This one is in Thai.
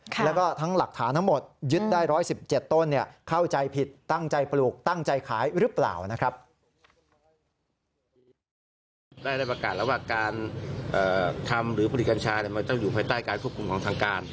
แล้วก็ทั้งหลักฐานทั้งหมดยึดได้๑๑๗ต้น